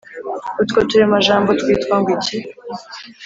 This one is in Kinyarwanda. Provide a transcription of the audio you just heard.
utwo turemajambo twitwa ngo iki?